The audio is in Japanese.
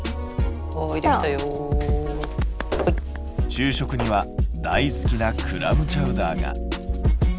昼食には大好きなクラムチャウダーが。